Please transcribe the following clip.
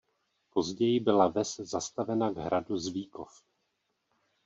Později byla ves zastavena k hradu Zvíkov.